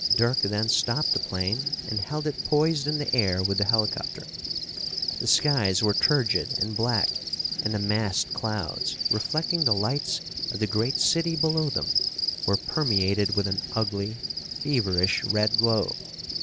Dirk then stopped the plane and held it poised in the air with the helicopter. The skies were turgid and black and the massed clouds, reflecting the lights of the great city below them, were permeated with an ugly, feverish, red glow.